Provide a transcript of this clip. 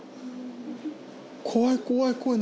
怖い怖い怖い。